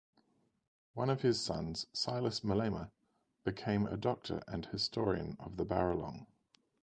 One of his sons, Silas Molema, became a Doctor and historian of the Barolong.